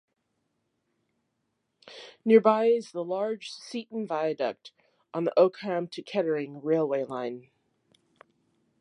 Nearby is the large Seaton Viaduct, on the Oakham to Kettering railway line.